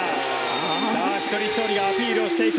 一人ひとりアピールをしていく。